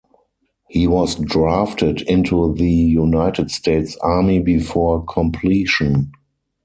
He was drafted into the United States Army before completion.